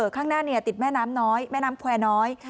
ข้างหน้าติดแม่น้ำแควร์น้อย